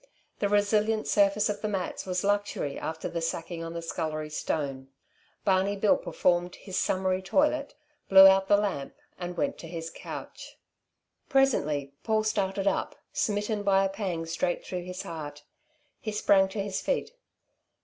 The resilient surface of the mats was luxury after the sacking on the scullery stone. Barney Bill performed his summary toilet, blew out the lamp and went to his couch. Presently Paul started up, smitten by a pang straight through his heart. He sprang to his feet.